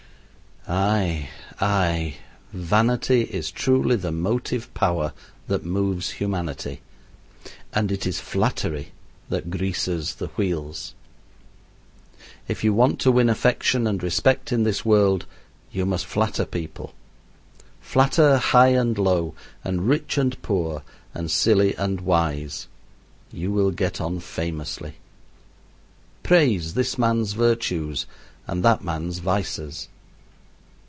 Ay, ay, vanity is truly the motive power that moves humanity, and it is flattery that greases the wheels. If you want to win affection and respect in this world, you must flatter people. Flatter high and low, and rich and poor, and silly and wise. You will get on famously. Praise this man's virtues and that man's vices.